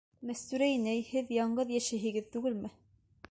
Мәстүрә инәй, һеҙ яңғыҙ йәшәйһегеҙ түгелме?